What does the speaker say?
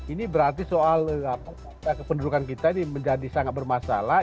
ini berarti soal kependudukan kita ini menjadi sangat bermasalah